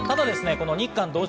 日韓同時